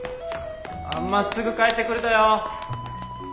まっすぐ帰ってくるとよ。